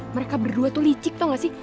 mereka berdua tuh licik toh gak sih